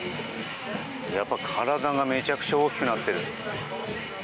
やっぱり体がめちゃくちゃ大きくなってる。